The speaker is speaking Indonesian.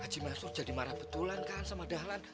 aji masyur jadi marah betulan kan sama dalan